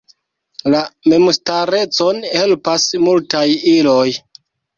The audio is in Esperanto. La memstarecon helpas multaj iloj.